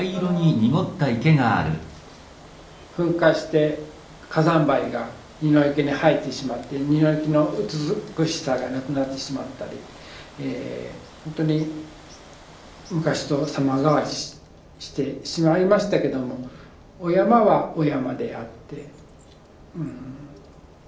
噴火して火山灰が二ノ池に入ってしまって二ノ池の美しさがなくなってしまったりほんとに昔と様変わりしてしまいましたけどもお山はお山であってうん。